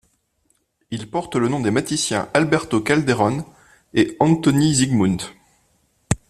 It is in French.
Il porte le nom des mathématiciens Alberto Calderón et Antoni Zygmund.